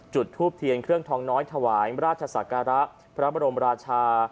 จุดทูบเทียนเครื่องทองน้อยถวายราชศักระพระบรมราชา